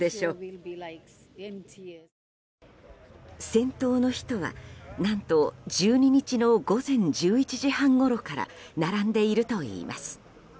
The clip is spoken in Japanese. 先頭の人は、何と１２日の午前１１時半ごろから並んでいるといいます。